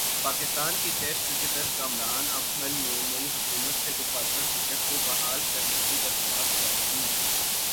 پاکستان کے ٹیسٹ کرکٹرکامران اکمل نے نئی حکومت سے ڈپارٹمنٹ کرکٹ کو بحال کرنے کی درخواست کردی۔